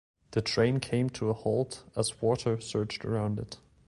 The train came to a halt as water surged around it.